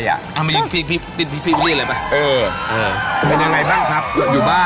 ก็ตอบจะตัดต้นไม้ตัดย่า